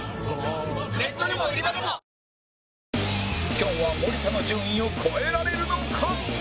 きょんは森田の順位を超えられるのか？